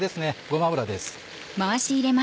ごま油です。